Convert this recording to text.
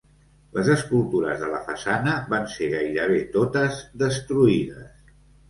Les escultures de la façana van ser gairebé totes destruïdes.